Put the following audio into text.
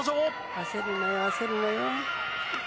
焦るなよ、焦るなよ。